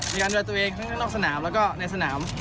มีการดูดตัวเองทั้งนั้นลงสนามและก็ในสนาม